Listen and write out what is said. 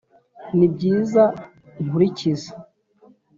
n’ibyiza nkurikiza